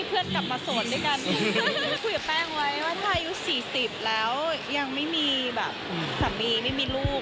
คุยกับแป้งไว้ว่าถ้าอายุ๔๐แล้วยังไม่มีแบบสามีไม่มีลูก